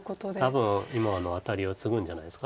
多分今のアタリをツグんじゃないですか。